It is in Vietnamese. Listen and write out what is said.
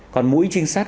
còn mũi trinh sát